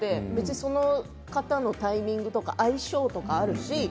その方のタイミングとか相性とかあるし。